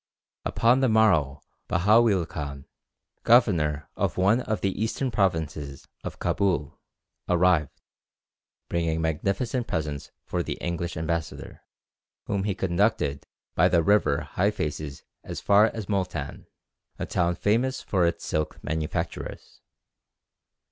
Upon the morrow Bahaweel Khan, governor of one of the eastern provinces of Cabul, arrived, bringing magnificent presents for the English ambassador, whom he conducted by the river Hyphases as far as Moultan, a town famous for its silk manufactures.